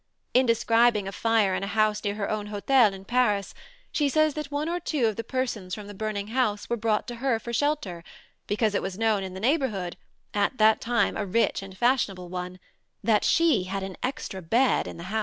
In describing a fire in a house near her own hôtel in Paris, she says that one or two of the persons from the burning house were brought to her for shelter, because it was known in the neighborhood (at that time a rich and fashionable one) that she had an extra bed in the house!